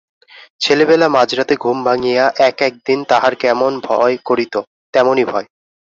ছেলেবেলা মাঝরাতে ঘুম ভাঙিয়া এক একদিন তাহার কেমন ভয় করিত, তেমনি ভয়।